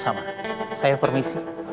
gak usah lapor kemana mana